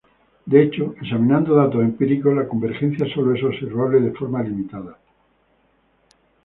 De hecho, examinando datos empíricos, la convergencia sólo es observable de forma limitada.